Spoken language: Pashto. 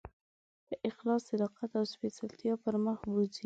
په اخلاص، صداقت او سپېڅلتیا پر مخ بوځي.